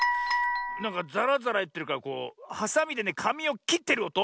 なんかザラザラいってるからはさみでねかみをきってるおと。